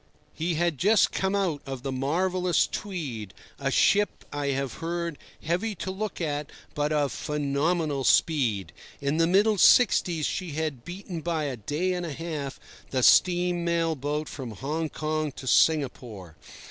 He had just come out of the marvellous Tweed, a ship, I have heard, heavy to look at but of phenomenal speed. In the middle sixties she had beaten by a day and a half the steam mail boat from Hong Kong to Singapore.